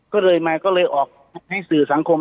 ก็เลยมาก็เลยออกให้สื่อสังคม